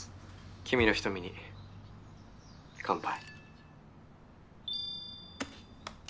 君の瞳に乾杯。